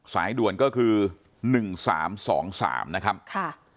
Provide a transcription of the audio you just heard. สายด่วนก็คือ๑๓๒๓นะครับค่ะ